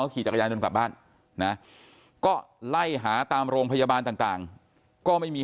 ขี่จักรยานยนต์กลับบ้านนะก็ไล่หาตามโรงพยาบาลต่างก็ไม่มี